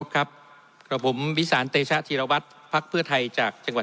ครับกับผมวิสานเตชะธีรวัตรพักเพื่อไทยจากจังหวัด